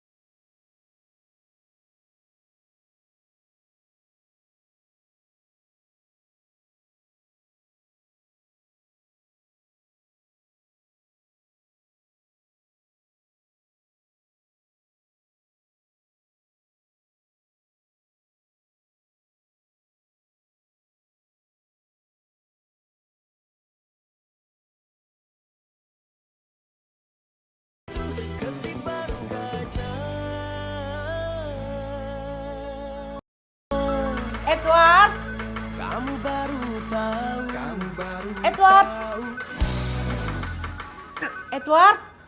sampai jumpa di video selanjutnya